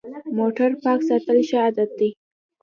موټر پاک ساتل ښه عادت دی.